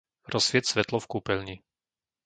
Rozsvieť svetlo v kúpeľni.